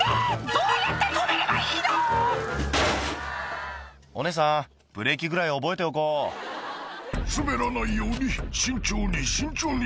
どうやって止めればいいの⁉」お姉さんブレーキぐらい覚えておこう「滑らないように慎重に慎重に」